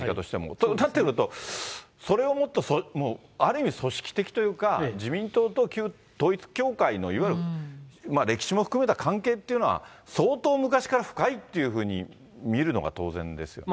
そうなってくると、それはもっと、ある意味組織的というか、自民党と旧統一教会のいわゆる歴史も含めた関係っていうのは相当昔から深いというふうに見るのが当然ですよね。